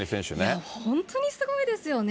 いや、本当にすごいですよね。